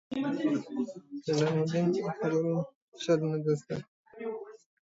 جنرال مبين ده خبرو چل نه دې زده.